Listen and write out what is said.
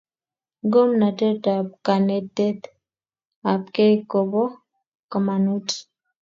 ngomnatet ap kanetet apkei kopo kamanut